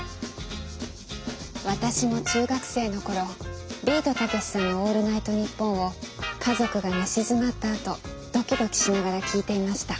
私も中学生の頃ビートたけしさんの「オールナイトニッポン」を家族が寝静まったあとドキドキしながら聴いていました。